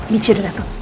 michi udah datang